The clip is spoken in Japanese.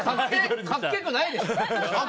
かっこよくないでしょ。